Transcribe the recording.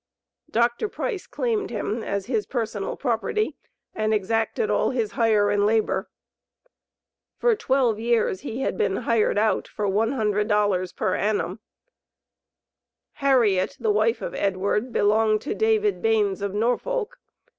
Dr. Price claimed him as his personal property, and exacted all his hire and labor. For twelve years he had been hired out for $100 per annum. Harriet, the wife of Edward, belonged to David Baines, of Norfolk.